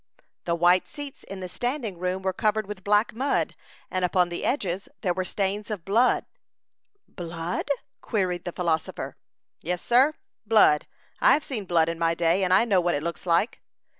"The white seats in the standing room were covered with black mud, and upon the edges there were stains of blood." "Blood?" queried the philosopher. "Yes, sir, blood; I have seen blood in my day, and I know what it looks like."